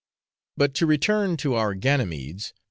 But to return to our Ganymedes.